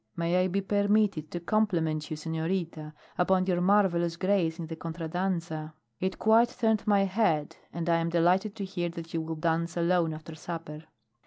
"May I be permitted to compliment you, senorita, upon your marvellous grace in the contra danza? It quite turned my head, and I am delighted to hear that you will dance alone after supper."